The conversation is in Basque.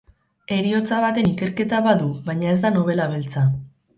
Heriotza baten ikerketa badu, baina ez da nobela beltza.